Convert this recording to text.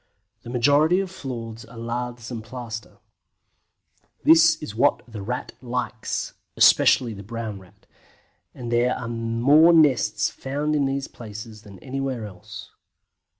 The majority of floors are laths and plaster. This is what the Rat likes, especially the Brown Rat, and there are more nests found in these places than anywhere else.